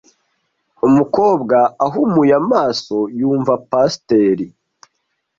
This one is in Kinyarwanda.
Umukobwa, ahumuye amaso, yumva pasiteri.